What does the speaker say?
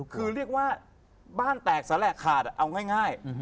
คือเรียกว่าบ้านแตกแสแหละขาดเอาง่าย